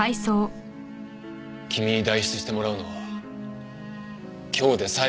君に代筆してもらうのは今日で最後にする。